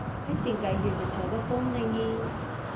"I think I hear the telephone ringing."